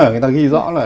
người ta ghi rõ là